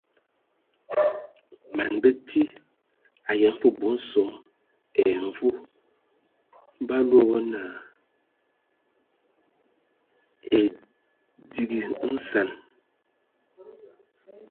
Man bəti ayəm fəg bɔ nsom ai mvu ba loe wo na edigi nsan.